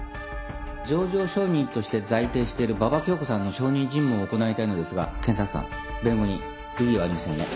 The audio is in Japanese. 情状証人として在廷している馬場恭子さんの証人尋問を行いたいのですが検察官弁護人異議はありませんね。